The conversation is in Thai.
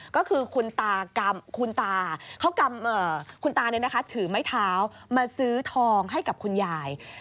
ก็คือคุณตากำคุณตาเขากำคุณตาเนี่ยนะคะถือไม้เท้ามาซื้อทองให้กับคุณยาย